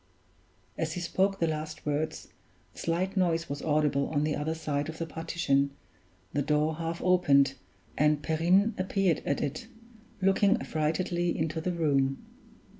As he spoke the last words, a slight noise was audible on the other side of the partition, the door half opened, and Perrine appeared at it, looking affrightedly into the room.